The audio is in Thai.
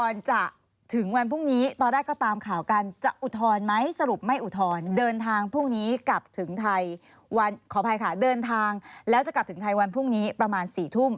แล้วจะกลับถึงไทวันพรุ่งนี้ประมาณ๔ทุ่ม